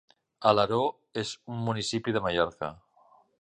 Alaró és un municipi de Mallorca.